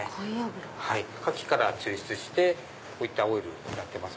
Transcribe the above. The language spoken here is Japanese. カキから抽出してこういったオイルになってます。